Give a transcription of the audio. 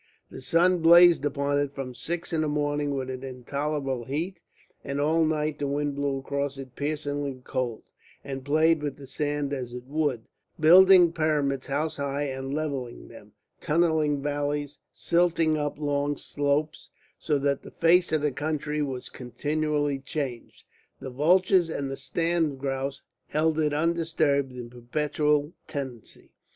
The sun blazed upon it from six in the morning with an intolerable heat, and all night the wind blew across it piercingly cold, and played with the sand as it would, building pyramids house high and levelling them, tunnelling valleys, silting up long slopes, so that the face of the country was continually changed. The vultures and the sand grouse held it undisturbed in a perpetual tenancy.